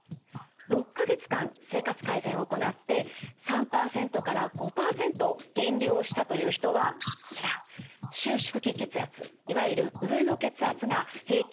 ６か月間生活改善を行って３％から５％減量をしたという人はこちら収縮期血圧いわゆる上の血圧が平均